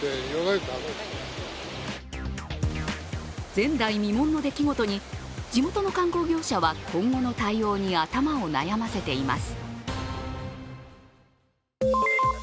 前代未聞の出来事に地元の観光業者は今後の対応に頭を悩ませています。